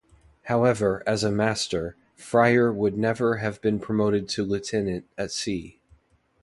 However, as a Master, Fryer would never have been promoted to lieutenant at sea.